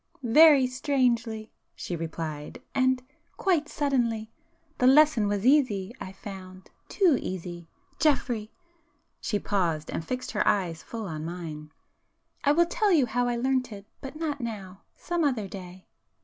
"Very strangely!" she replied—"And—quite suddenly! The lesson was easy, I found;—too easy! Geoffrey,"—she paused, and fixed her eyes full on mine—"I will tell you how I learnt it, ... but not now, ... some other day."